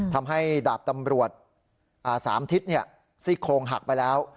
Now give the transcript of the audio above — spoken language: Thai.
ทำให้ดาบตำรวจ๓ทิศซี่โครงหักไปแล้ว